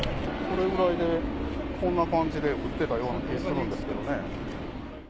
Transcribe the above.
このぐらいで、こんな感じで撃ってたような気がするんですけれどもね。